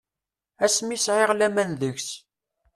Asmi sɛiɣ laman deg-s.